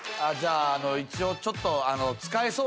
じゃあ一応ちょっと。